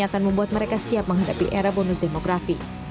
akan membuat mereka siap menghadapi era bonus demografi